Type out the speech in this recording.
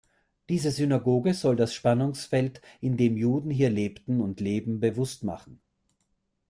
Diese Synagoge soll das Spannungsfeld, in dem Juden hier lebten und leben, bewusst machen.